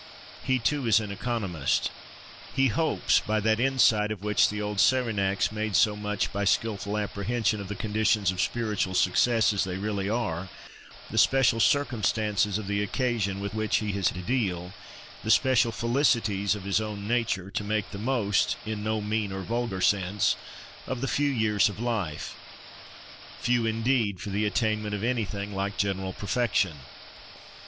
He too is an economist: he hopes, by that "insight" of which the old Cyrenaics made so much, by skilful apprehension of the conditions of spiritual success as they really are, the special circumstances of the occasion with which he has to deal, the special felicities of his own nature, to make the most, in no mean or vulgar sense, of the few years of life; few, indeed, for the attainment of anything like general perfection!